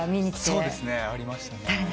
そうですね。ありましたね。